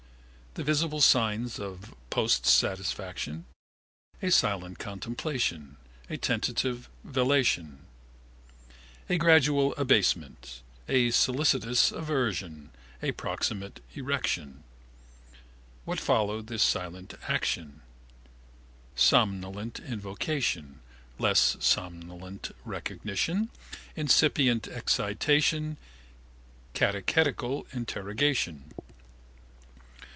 The visible signs of postsatisfaction? A silent contemplation: a tentative velation: a gradual abasement: a solicitous aversion: a proximate erection. What followed this silent action? Somnolent invocation, less somnolent recognition, incipient excitation, catechetical interrogation.